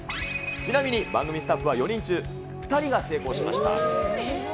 ちなみに番組スタッフは、４人中２人が成功しました。